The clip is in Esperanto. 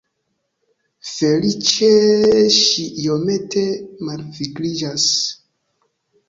Feliĉe ŝi iomete malvigliĝas.